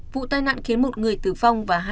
vụ tai nạn khiến một người tử vong